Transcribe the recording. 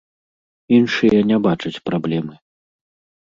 Іншыя не бачаць праблемы.